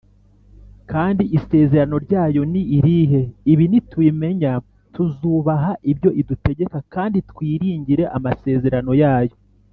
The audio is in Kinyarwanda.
? Kandi isezerano ryayo ni irihe? Ibi nitubimenya, tuzubaha ibyo idutegeka, kandi twiringire amasezerano yayo.